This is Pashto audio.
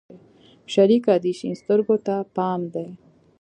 شريکه دې شين سترگو ته پام دى؟